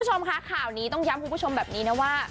คุณผู้ชมคะข่าวนี้ต้องย้ำคุณผู้ชมแบบนี้นะว่า